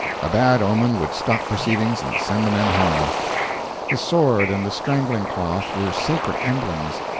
A bad omen would stop proceedings and send the men home. The sword and the strangling cloth were sacred emblems.